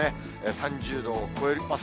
３０度を超えます。